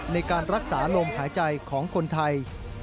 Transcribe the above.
ในการรักษาลมหายใจของคนไทย